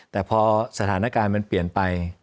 แต่พอสถานการณ์มันเปลี่ยนไป